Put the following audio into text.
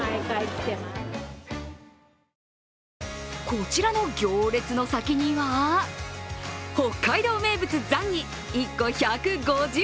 こちらの行列の先には北海道名物・ザンギ、１個１５０円。